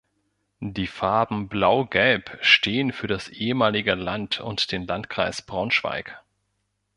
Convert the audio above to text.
Die Farben Blau-Gelb stehen für das ehemalige Land und den Landkreis Braunschweig.